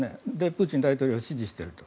プーチン大統領を支持していると。